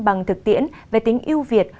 bằng thực tiễn về tính yêu việt